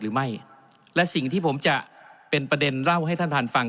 หรือไม่และสิ่งที่ผมจะเป็นประเด็นเล่าให้ท่านท่านฟัง